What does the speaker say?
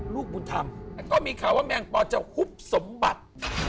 ลูกบุญธรรมก็มีข่าวว่าแมงปอจะฮุบสมบัติ